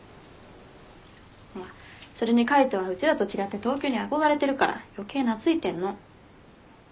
それに海斗はうちらと違って東京に憧れてるから余計懐いてんの。